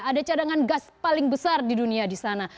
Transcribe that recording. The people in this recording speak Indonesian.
ada cadangan gas paling besar di dunia di sana